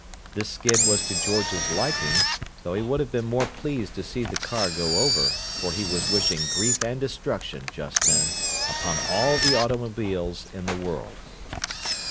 This skid was to George's liking, though he would have been more pleased to see the car go over, for he was wishing grief and destruction, just then, upon all the automobiles in the world.